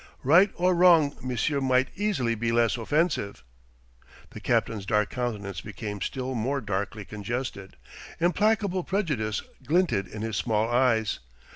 "Right or wrong, monsieur might easily be less offensive." The captain's dark countenance became still more darkly congested. Implacable prejudice glinted in his small eyes.